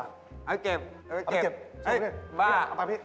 เอาไปเก็บเออเก็บเจ๋นดูนี่เอ้ยบ้าเอ้ย